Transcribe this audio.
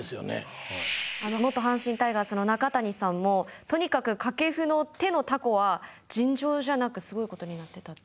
元阪神タイガースの中谷さんもとにかく掛布の手のタコは尋常じゃなくすごいことになってたって。